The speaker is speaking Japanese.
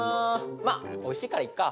まあおいしいからいっか。